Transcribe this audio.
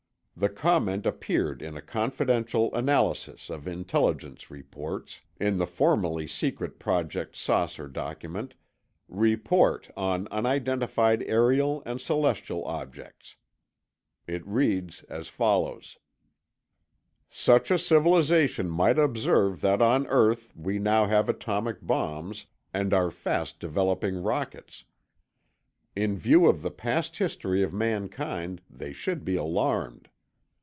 The comment appeared in a confidential analysis of Intelligence reports, in the formerly secret Project "Saucer" document, "Report on Unidentified Aerial and Celestial Objects." It reads as follows: "Such a civilization might observe that on earth we now have atomic bombs and are fast developing rockets. In view of the past history of mankind, they should be alarmed.